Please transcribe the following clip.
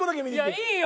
いいよ